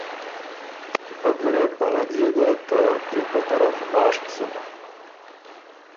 پۀ ګیرډ آ غدئے ګۀ ته ګری په طرف ماشک سُک۔